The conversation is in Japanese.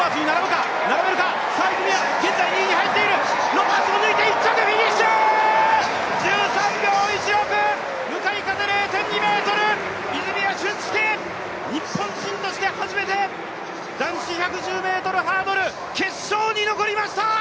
ロバーツを抜いて１着フィニッシュ１３秒１６、向かい風０．２ｍ泉谷駿介、日本人として初めて男子１１０ｍハードル、決勝に残りました！